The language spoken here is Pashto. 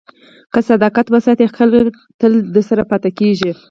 که صداقت وساتې، خلک تل درسره پاتې کېږي.